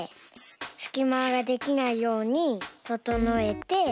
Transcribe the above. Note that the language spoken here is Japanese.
すきまができないようにととのえて。